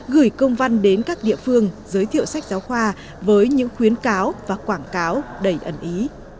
gửi công văn đến các địa phương giới thiệu sách giáo khoa với những khuyến cáo và quảng cáo đầy ẩn ý